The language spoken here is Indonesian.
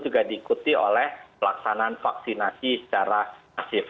juga diikuti oleh pelaksanaan vaksinasi secara masif